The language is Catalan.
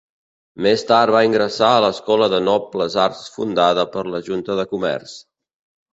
Més tard va ingressar a l'Escola de Nobles Arts fundada per la Junta de Comerç.